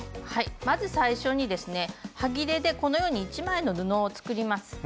はいまず最初にですねはぎれでこのように一枚の布を作ります。